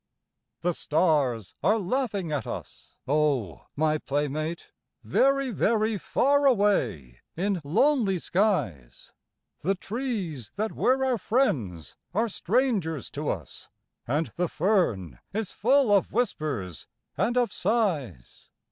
The stars are laughing at us, O, my playmate, Very, very far away in lonely skies. The trees that were our friends are strangers to us. And the fern is full of whispers and of sighs.